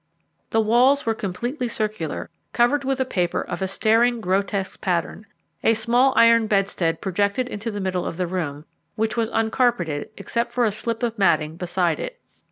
The walls were completely circular, covered with a paper of a staring grotesque pattern. A small iron bedstead projected into the middle of the floor, which was uncarpeted except for a slip of matting beside it.